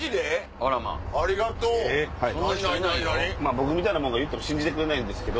僕みたいな者が言っても信じてくれないですけど。